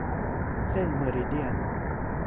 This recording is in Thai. เส้นเมอริเดียน